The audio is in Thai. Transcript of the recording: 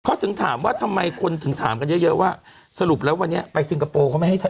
เขาถึงถามว่าทำไมคนถึงถามกันเยอะเยอะว่าสรุปแล้ววันนี้ไปซิงคโปร์เขาไม่ให้